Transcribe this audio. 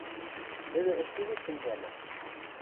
– Тӹдӹ ӹшке вет тӹнгӓльӹ.